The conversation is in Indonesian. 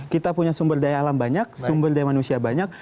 kita punya sumber daya alam banyak sumber daya manusia banyak